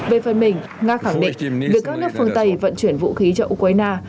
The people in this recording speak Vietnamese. về phần mình nga khẳng định việc các nước phương tây vận chuyển vũ khí cho ukraine